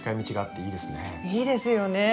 いいですよね。